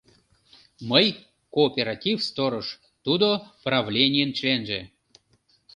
Мый — кооператив сторож, тудо — правленийын членже.